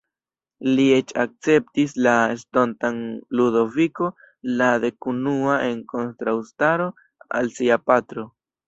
Li eĉ akceptis la estontan Ludoviko la Dekunua en kontraŭstaro al sia patro.